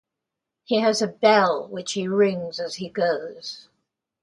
He has a bell which he rings as he goes.